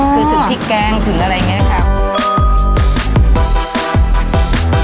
คือถึงพริกแกงถึงอะไรอย่างนี้ค่ะ